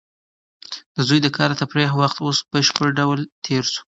د زوی د کار د تفریح وخت اوس په بشپړ ډول تېر شوی و.